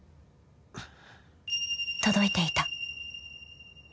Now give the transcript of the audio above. ［届いていた］